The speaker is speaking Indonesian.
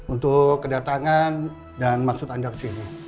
untuk kedatangan dan maksud anda kesini